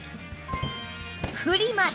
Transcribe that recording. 振ります。